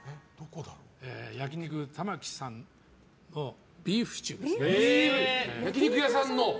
焼肉たまきさんのビーフシチューです。